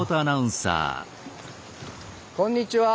こんにちは。